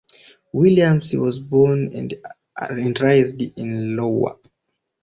Williams was born and raised in Iowa.